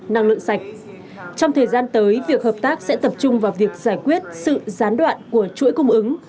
năng lượng sạch trong thời gian tới việc hợp tác sẽ tập trung vào việc giải quyết sự gián đoạn của chuỗi cung ứng